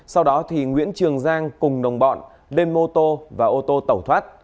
sau đó thì nguyễn trường giang cùng đồng bọn đem mô tô và ô tô tẩu thoát